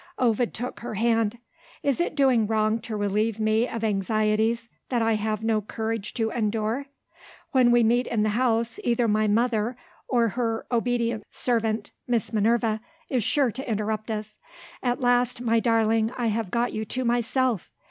Ovid took her hand. "Is it doing wrong to relieve me of anxieties that I have no courage to endure? When we meet in the house either my mother or her obedient servant, Miss Minerva, is sure to interrupt us. At last, my darling, I have got you to myself!